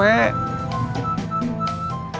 bisa uang jangan istirahat dulu